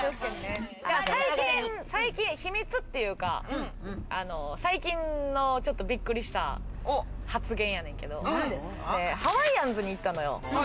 最近、秘密っていうか、最近のびっくりした発言やねんけど、ハワイアンズに行ったのよ。